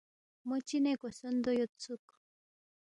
مو چِنے کوسوندو یودسُوک